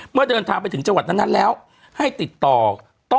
เมื่อเดินทางไปถึงจังหวัดนั้นแล้วให้ติดต่อ